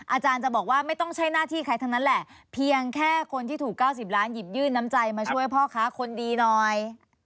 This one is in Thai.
อาจารย์จะบอกว่าไม่ต้องใช้หน้าที่ใครทั้งนั้นแหละเพียงแค่คนที่ถูก๙๐ล้านหยิบยื่นน้ำใจมาช่วยพ่อค้าคนดีหน่อย